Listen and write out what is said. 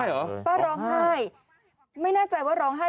ไม่น่าใจว่าร้องไห้ไม่น่าใจว่าร้องไห้